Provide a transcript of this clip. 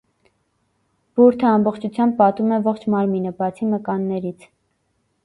Բուրդը, ամբողջությամբ պատում է ողջ մարմինը, բացի մկաններից։